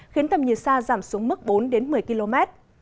khiến tầm nhiệt sa giảm xuống mức bốn một mươi km